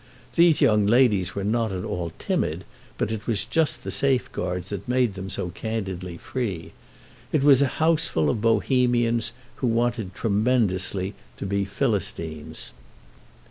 These young ladies were not at all timid, but it was just the safeguards that made them so candidly free. It was a houseful of Bohemians who wanted tremendously to be Philistines.